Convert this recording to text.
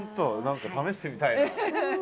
何か試してみたいな。